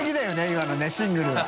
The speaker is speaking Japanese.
今のねシングルは。